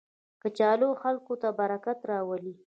کچالو خلکو ته برکت راولي